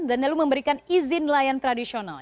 dan lalu memberikan izin layan tradisional